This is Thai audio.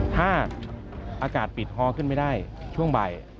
ถ้าอากาศปิดฮอขึ้นไม่ได้ช่วงบ่าย